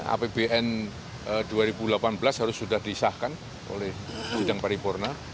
apbn dua ribu delapan belas harus sudah disahkan oleh sidang paripurna